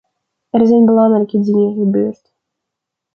Er zijn belangrijke dingen gebeurd.